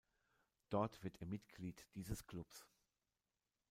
Dort wird er Mitglied dieses Clubs.